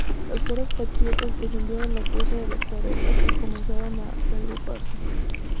Las fuerzas patriotas descendieron la cuesta de las Carretas y comenzaron a reagruparse.